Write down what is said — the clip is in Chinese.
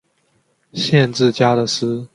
县治加的斯。